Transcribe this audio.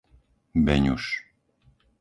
Beňuš